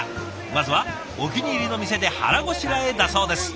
まずはお気に入りの店で腹ごしらえだそうです。